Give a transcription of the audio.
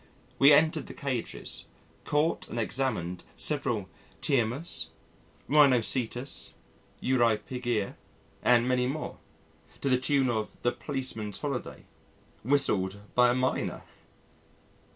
We entered the cages, caught and examined several Tinamous, Rhinochetus, Eurypygia, and many more, to the tune of "The Policeman's Holiday" whistled by a Mynah!